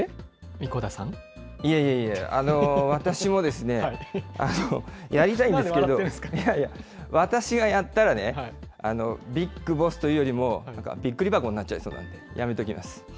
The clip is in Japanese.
神子田さんいえいえいえ、私もですね、やりたいんですけれども、私がやったらね、ビッグボスというよりもびっくり箱になっちゃいそうなんで、やめときます。